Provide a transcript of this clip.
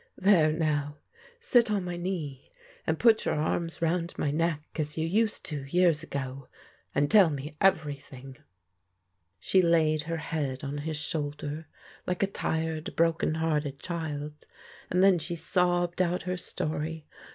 There now, sit on my knee, and put your arms round my neck, as you used to years ago, and tell me everything." She laid her head on his shoulder like a tired, broken hearted child, and then she sobbed out her story. .